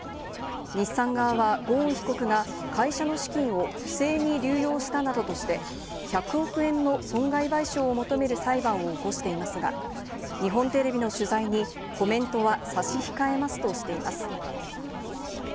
日産側はゴーン被告が会社の資金を不正に流用したなどとして１００億円の損害賠償を求める裁判を起こしていますが、日本テレビの取材にコメントは差し控えますとしています。